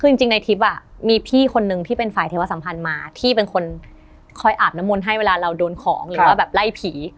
คือจริงในทริปมีพี่คนนึงที่เป็นฝ่ายเทวสัมพันธ์มาที่เป็นคนคอยอาบน้ำมนต์ให้เวลาเราโดนของหรือว่าแบบไล่ผี